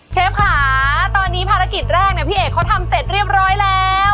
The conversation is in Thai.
เชฟค่ะตอนนี้ภารกิจแรกเนี่ยพี่เอกเขาทำเสร็จเรียบร้อยแล้ว